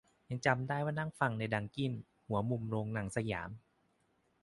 ยังจำได้ว่านั่งฟังในดังกิ้น หัวมุมโรงหนังสยาม